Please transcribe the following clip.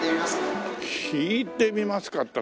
弾いてみますか？